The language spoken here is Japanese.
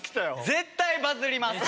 絶対バズります！